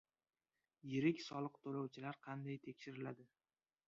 Yirik soliq to‘lovchilar qanday tekshiriladi?